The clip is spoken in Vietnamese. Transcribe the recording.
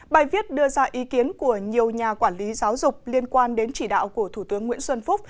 bài viết đưa ra ý kiến của nhiều nhà quản lý giáo dục liên quan đến chỉ đạo của thủ tướng nguyễn xuân phúc